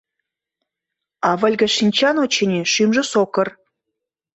А выльге шинчан, очыни, шӱмжӧ сокыр;